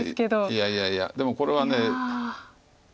いやいやいやでもこれは。